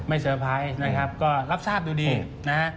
เซอร์ไพรส์นะครับก็รับทราบดูดีนะฮะ